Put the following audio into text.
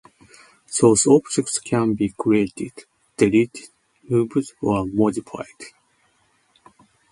Those objects can be created, deleted, moved or modified.